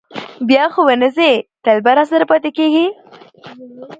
بیا خو به نه ځې، تل به راسره پاتې کېږې؟